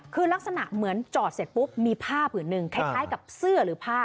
คือลักษณะเหมือนจอดเสร็จปุ๊บมีผ้าผืนหนึ่งคล้ายกับเสื้อหรือผ้า